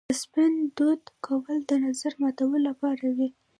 د سپند دود کول د نظر ماتولو لپاره وي.